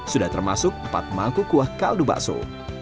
sudah termasuk empat maku kuah kaldu bakso